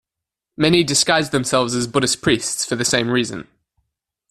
Many disguised themselves as Buddhist priests for the same reason.